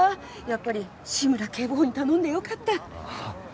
やっぱり志村警部補に頼んでよかったはあ